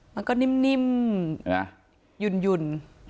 มันก็นิ่มหยุ่น